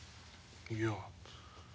いや。